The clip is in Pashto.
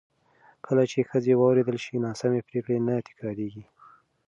کله چې ښځې واورېدل شي، ناسمې پرېکړې نه تکرارېږي.